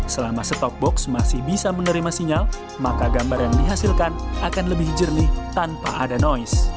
selama stock box masih bisa menerima sinyal maka gambar yang dihasilkan akan lebih jernih tanpa ada noise